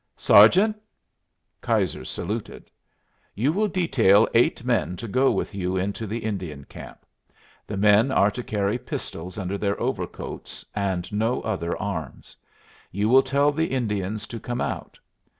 "Sergeant." Keyser saluted. "You will detail eight men to go with you into the Indian camp. The men are to carry pistols under their overcoats, and no other arms. You will tell the Indians to come out.